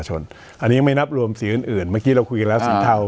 ชนอันนี้ไม่นับรวมสีอื่นอื่นเมื่อกี้เราคุยกันแล้วสันเท้า